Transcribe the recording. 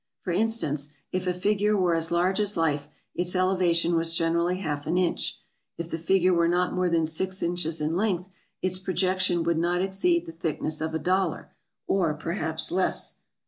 For instance, if a figure were as large as life, its elevation was generally half an inch; if the figure were not more than six inches in length, its projection would not exceed the thickness of a dollar, or perhaps less.